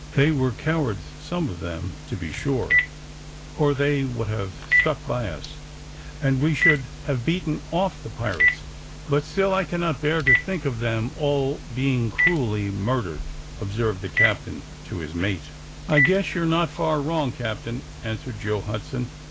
"They were cowards some of them to be sure, or they would have stuck by us, and we should have beaten off the pirates; but still I cannot bear to think of them all being cruelly murdered," observed the captain to his mate. "I guess you're not far wrong, captain," answered Joe Hudson.